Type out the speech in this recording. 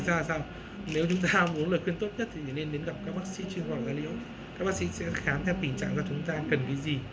các bác sĩ sẽ khám theo bình trạng cho chúng ta cần cái gì